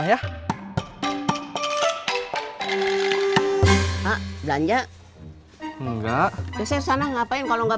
kamu enggak ada yang nyebut